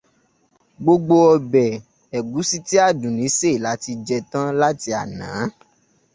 Gbogbo ọbẹ̀ ẹ̀gúsí tí Àdùnní sè lati jẹ tán láti àná.